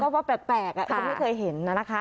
เขาก็ว่าแปลกไม่เคยเห็นน่ะนะคะ